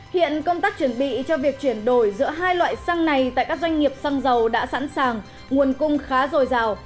hiện công tác chuẩn bị cho việc chuyển đổi giữa hai loại xăng này tại các doanh nghiệp xăng dầu đã sẵn sàng nguồn cung khá dồi dào